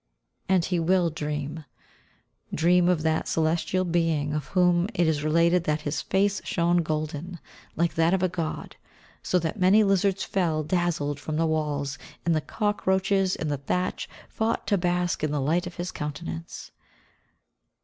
And he will dream dream of that Celestial Being of whom it is related that "his face shone golden, like that of a god, so that many lizards fell, dazzled, from the walls, and the cockroaches in the thatch fought to bask in the light of his countenance."